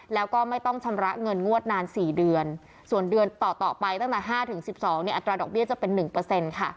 แล้วก็ไม่ต้องชำระเงินงวดนาน๔เดือนส่วนเดือนต่อไปตั้งแต่๕๑๒อัตราดอกเบี้ยจะเป็น๑ค่ะ